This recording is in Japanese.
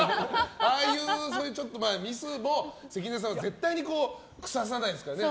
ああいうミスを関根さんは絶対にくささないですからね。